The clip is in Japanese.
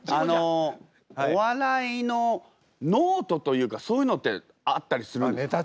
お笑いのノートというかそういうのってあったりするんですか？